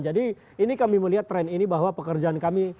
jadi ini kami melihat tren ini bahwa pekerjaan kami